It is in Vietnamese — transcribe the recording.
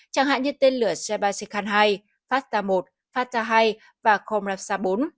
chẳng hạn như tên lửa sheba sekhan hai fasta một fasta hai và komrapsa bốn